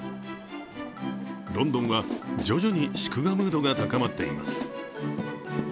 ロンドンは徐々に祝賀ムードが高まっています。